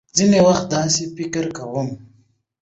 ځينې وخت داسې فکر کوم .